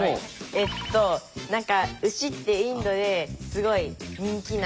えっと何か牛ってインドですごい人気な。